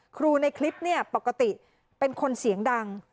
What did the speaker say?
ครูในคลิปปกติเป็นคนเสียงดัง